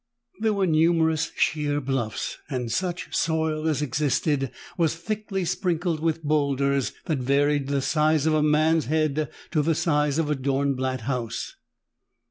There were numerous sheer bluffs, and such soil as existed was thickly sprinkled with boulders that varied from the size of a man's head to the size of a Dornblatt house.